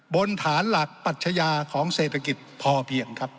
บนฐานหลักปัชญาของเศรษฐกิจพอเพียงครับ